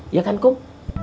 iya kan kum